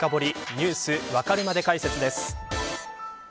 Ｎｅｗｓわかるまで解説です。